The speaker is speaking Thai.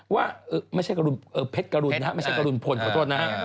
ว่าไม่ใช่เพชรกรุณนะฮะไม่ใช่กรุณพลขอโทษนะฮะ